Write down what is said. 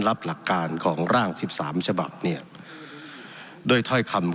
หลักการของร่างสิบสามฉบับเนี่ยด้วยถ้อยคำ